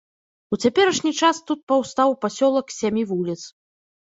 У цяперашні час тут паўстаў пасёлак з сямі вуліц.